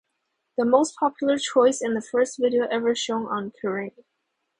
The most popular choice and the first video ever shown on Kerrang!